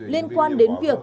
liên quan đến việc